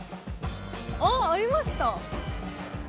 あっありました。